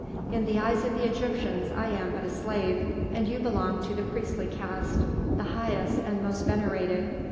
In the eyes of the Egyptians I am but a slave, and you belong to the priestly caste, the highest and most venerated.